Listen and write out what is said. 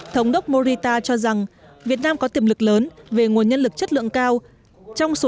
thống đốc morita cho rằng việt nam có tiềm lực lớn về nguồn nhân lực chất lượng cao trong số